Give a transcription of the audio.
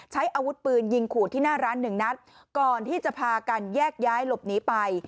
ใช้อาวุธปืนยิงขู่ที่หน้าร้านหนึ่งนัดก่อนที่จะพากันแยกย้ายหลบหนีไป